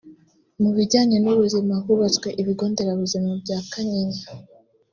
Mu bijyanye n’ubuzima hubatswe ibigo nderabuzima bya Kanyinya